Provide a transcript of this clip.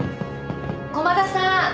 駒田さん。